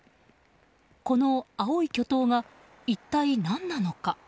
この青い巨塔が一体何なのか。